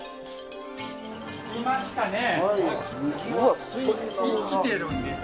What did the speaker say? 着きましたね。